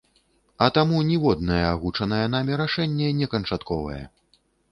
А таму ніводнае агучанае намі рашэнне не канчатковае.